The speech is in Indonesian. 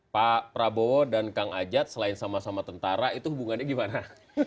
pak prabowo dan kang ajat selain sama sama tentara itu hubungannya gimana